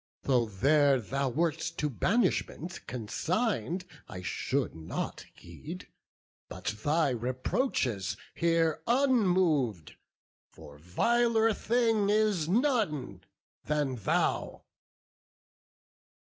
Though there thou wert to banishment consign'd, I should not heed, but thy reproaches hear Unmov'd; for viler thing is none than thou."